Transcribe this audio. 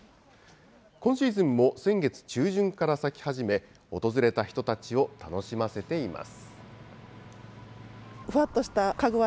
今シーズンも先月中旬から咲き始め、訪れた人たちを楽しませています。